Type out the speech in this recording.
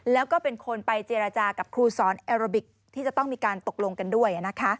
แล้วก็เป็นคนไปเจรจากับครูสอนแอโรบิกที่จะต้องมีการตกลงกันด้วย